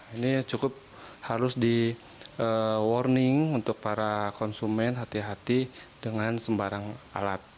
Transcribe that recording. ini cukup harus di warning untuk para konsumen hati hati dengan sembarang alat